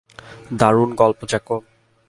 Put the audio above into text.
দারুণ গল্প জ্যাকব।